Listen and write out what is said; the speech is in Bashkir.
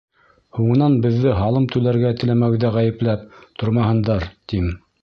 Һуңынан беҙҙе һалым түләргә теләмәүҙә ғәйепләп тормаһындар, тим...